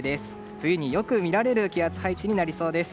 冬によく見られる気圧配置になりそうです。